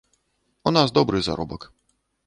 У нас добры заробак.